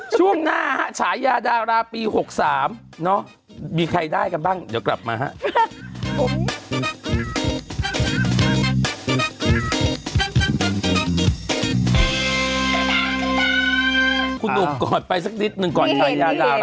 คุณหนุ่มก่อนไปซักนิดนึงก่อนนึงย่าตามิเห็นมิเห็น